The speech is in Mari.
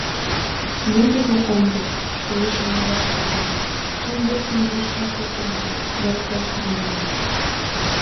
Мый тетла ом керт, шӱлышым налаш шогальым, шӱм лектын вочшашла кӱлтка — моткоч ноенам.